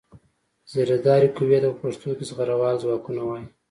زرهدارې قوې ته په پښتو کې زغروال ځواکونه وايي.